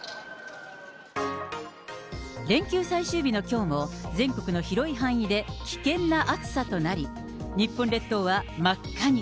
連休最終日のきょうも、全国の広い範囲で危険な暑さとなり、日本列島は真っ赤に。